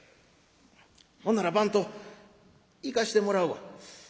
「ほんなら番頭行かしてもらうわ」。